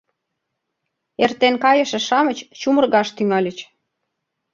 Эртен кайыше-шамыч чумыргаш тӱҥальыч.